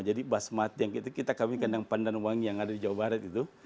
jadi basmati yang kita kambingkan dengan pandan wangi yang ada di jawa barat itu